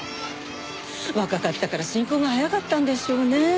若かったから進行が早かったんでしょうね。